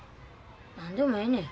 何でもええねん。